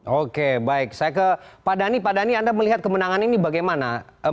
oke baik saya ke pak dhani pak dhani anda melihat kemenangan ini bagaimana